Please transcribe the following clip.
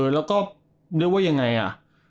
แล้วก็นึกว่ายังไงอ่ะ